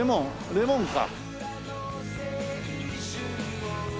レモンか。